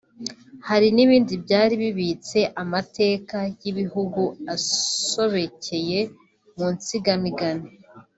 Hari n’ibindi byari bibitse amateka y’igihugu asobekeye mu nsigamigani